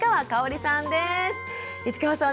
市川さん